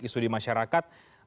isu di masyarakat